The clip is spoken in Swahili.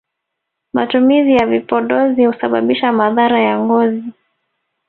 matumizi ya vipodozi husababisha madhara ya ngozi